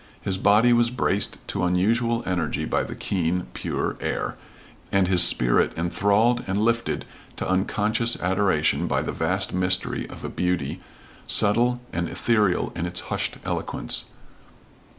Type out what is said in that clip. His body was braced to unusual energy by the keen, pure air, and his spirit enthralled and lifted to unconscious adoration by the vast mystery of a beauty, subtle and ethereal in its hushed eloquence.